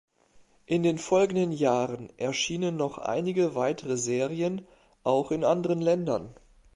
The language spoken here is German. In den folgenden Jahren erschienen noch einige weitere Serien, auch in anderen Ländern.